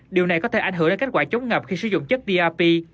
điều này có thể ảnh hưởng đến kết quả chống ngập khi sử dụng chất dap